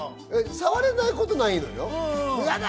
触れないことはないよ。